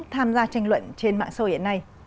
tham gia tranh luận trên mạng xã hội hiện nay